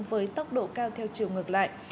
với tốc độ cao theo chiều ngược lại